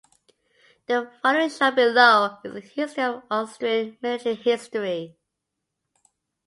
The following shown below is a history of the Austrian military history.